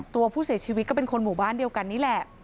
ตัวผู้เสียชีวิตก็เป็นคนหมู่บ้านเดียวกันนี่แหละ